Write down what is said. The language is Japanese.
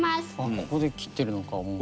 ここで切ってるのかもう。